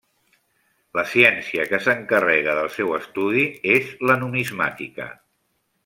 La ciència que s'encarrega del seu estudi és la numismàtica.